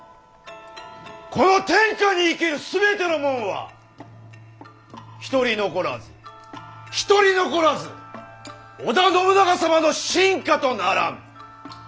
この天下に生きる全てのもんは一人残らず一人残らず織田信長様の臣下とならん！